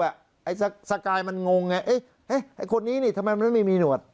ไอ้สกายมันงงไงไอ้คนนี้นี่ทำไมมันไม่มีหนวด